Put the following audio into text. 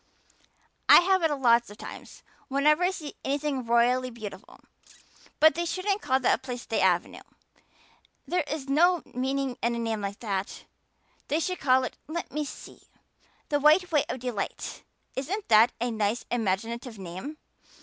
"I have it lots of time whenever I see anything royally beautiful. But they shouldn't call that lovely place the Avenue. There is no meaning in a name like that. They should call it let me see the White Way of Delight. Isn't that a nice imaginative name?